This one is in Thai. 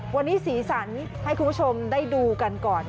วันนี้สีสันให้คุณผู้ชมได้ดูกันก่อน